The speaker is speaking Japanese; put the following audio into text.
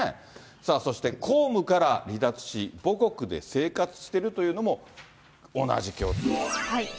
そして公務から離脱し、母国で生活してるというのも同じ共通点。